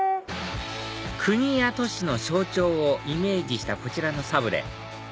国や都市の象徴をイメージしたこちらのサブレ